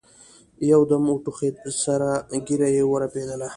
يودم وټوخېد سره ږيره يې ورپېدله.